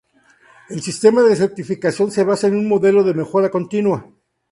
El sistema de certificación se basa en un modelo de mejora continua.